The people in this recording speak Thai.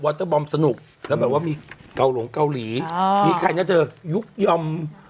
เตอร์บอมสนุกแล้วแบบว่ามีเกาหลงเกาหลีมีใครนะเธอยุคยอม